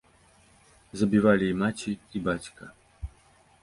Забівалі і маці, і бацька.